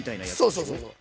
そうそうそうそう。